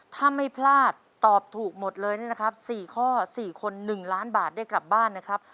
ถ้าไม่พลาดตอบถูกหมดเลยนะครับ๔ข้อ๔คน๑ล้านบาทได้กลับบ้านนะครับ